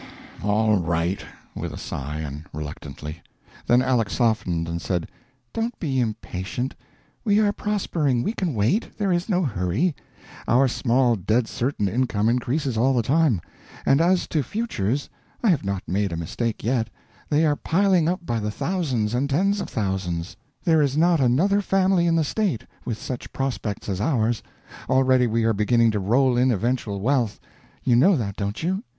"All right," with a sigh and reluctantly. Then Aleck softened and said: "Don't be impatient. We are prospering; we can wait; there is no hurry. Our small dead certain income increases all the time; and as to futures, I have not made a mistake yet they are piling up by the thousands and tens of thousands. There is not another family in the state with such prospects as ours. Already we are beginning to roll in eventual wealth. You know that, don't you?"